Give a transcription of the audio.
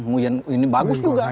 nguyen ini bagus juga